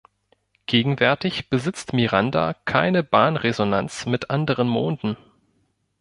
Gegenwärtig besitzt Miranda keine Bahnresonanz mit anderen Monden.